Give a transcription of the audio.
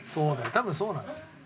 多分そうなんですよ。